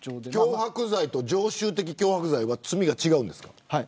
脅迫罪と常習的脅迫罪は罪が違うんですか。